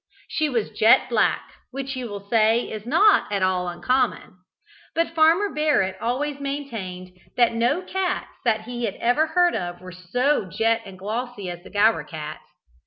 She was jet black, which you will say is not at all uncommon; but Farmer Barrett always maintained that no cats that he ever heard of were so jet and so glossy as the Gower cats.